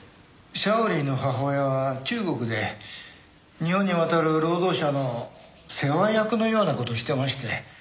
シャオリーの母親は中国で日本に渡る労働者の世話役のような事をしてまして。